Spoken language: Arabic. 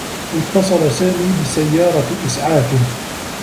اتّصل سامي بسيّارة إسعاف.